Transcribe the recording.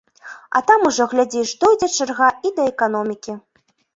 А там ужо, глядзіш, дойдзе чарга і да эканомікі.